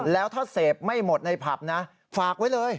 แล้วถ้าเสพไม่หมดในผับนะฝากไว้เลย